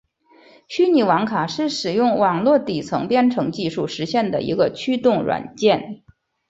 虚拟网卡是使用网络底层编程技术实现的一个驱动软件。